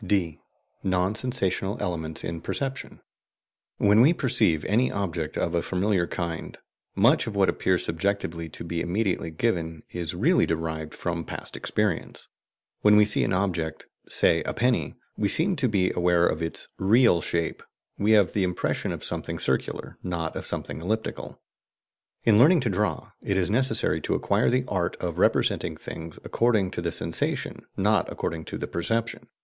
(d) NON SENSATIONAL ELEMENTS IN PERCEPTION. When we perceive any object of a familiar kind, much of what appears subjectively to be immediately given is really derived from past experience. When we see an object, say a penny, we seem to be aware of its "real" shape we have the impression of something circular, not of something elliptical. In learning to draw, it is necessary to acquire the art of representing things according to the sensation, not according to the perception.